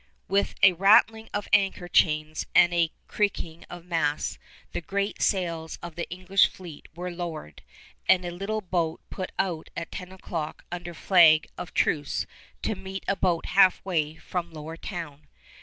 With a rattling of anchor chains and a creaking of masts the great sails of the English fleet were lowered, and a little boat put out at ten o'clock under flag of truce to meet a boat half way from Lower Town.